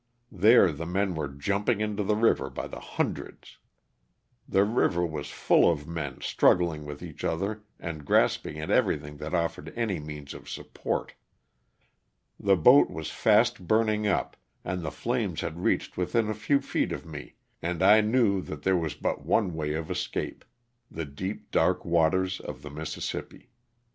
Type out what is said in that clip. There the men were jumping into the river by the hundreds. The river was full of men struggling with each other and grasping at everything that offered any means of sup port. The boat was fast burning up and the flames had reached within a few feet of me and I now knew that there was but one way of escape— the deep, dark waters of the Mississippi.